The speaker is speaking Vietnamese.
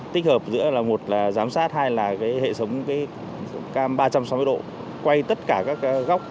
tích hợp giữa là một là giám sát hai là hệ thống cam ba trăm sáu mươi độ quay tất cả các góc